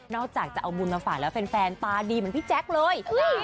จากจะเอาบุญมาฝากแล้วแฟนตาดีเหมือนพี่แจ๊คเลย